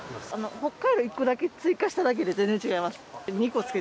ホッカイロ１個だけ追加しただけで全然違います。